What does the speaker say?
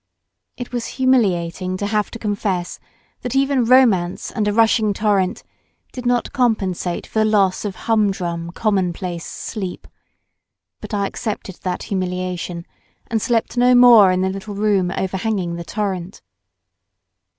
It was humiliating to have to confess that even romance and a rushing torrent did not compensate for the loss of humdrum, commonplace sleep, but I accepted that humiliation and slept no more in the little room overhanging the torrent.